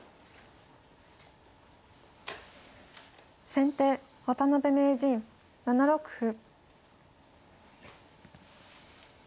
先手渡辺名人７六歩。